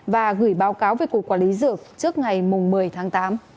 và gửi báo cáo về cục quản lý dược trước ngày một mươi tháng tám